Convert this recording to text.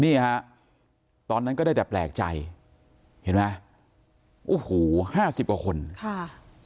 นี่ฮะตอนนั้นก็ได้แต่แปลกใจเห็นไหมโอ้โหห้าสิบกว่าคนค่ะ